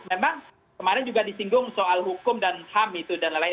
memang kemarin juga disinggung soal hukum dan ham itu dan lain lain